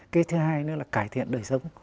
cái thứ hai nữa là cải thiện đời sống